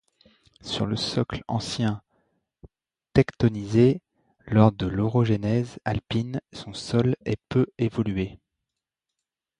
Sur le socle ancien tectonisé lors de l'orogenèse alpine, son sol est peu évolué.